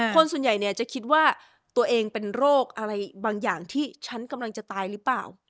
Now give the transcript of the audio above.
คนส่วนใหญ่เนี่ยจะคิดว่าตัวเองเป็นโรคอะไรบางอย่างที่ฉันกำลังจะตายหรือเปล่า